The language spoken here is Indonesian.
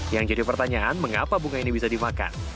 yang jadi pertanyaan mengapa bunga ini bisa dimakan